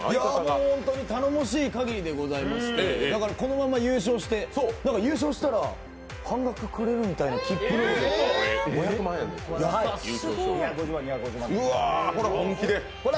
本当に頼もしい限りでございまして、もうこのまま優勝して優勝したら、半額くれるみたいなきっぷのいいことを。